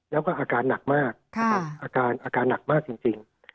แล้วก็อาการหนักมากอาการอาการหนักมากจริง